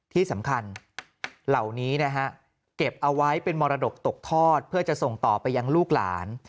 ที่สำคัญเหล่านี้นะฮะเก็บเอาไว้เป็นมรดกตกทอดเพื่อจะส่งต่อไปยังลูกหลาน